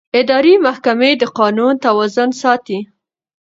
اداري محکمې د قانون توازن ساتي.